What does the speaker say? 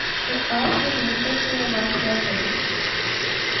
تو آپ کی نیتوں سے عوام کیا کریں؟